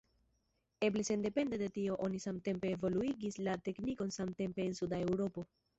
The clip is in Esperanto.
Eble sendepende de tio oni samtempe evoluigis la teknikon samtempe en suda Eŭropo.